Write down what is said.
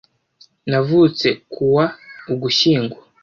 Navutse ku wa Ugushyingo